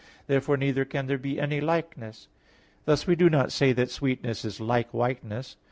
Therefore neither can there be any likeness. Thus we do not say that sweetness is like whiteness.